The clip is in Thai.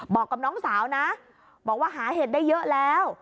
บอกกับน้องสาวนะบอกว่าหาเห็ดได้เยอะแล้ว